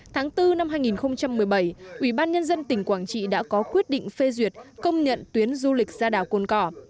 tháng bốn năm hai nghìn một mươi bảy ủy ban nhân dân tỉnh quảng trị đã có quyết định phê duyệt công nhận tuyến du lịch ra đảo cồn cỏ